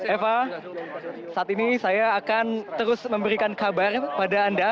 eva saat ini saya akan terus memberikan kabar pada anda